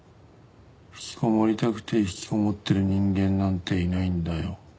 「引きこもりたくて引きこもっている人間なんていないんだよ！」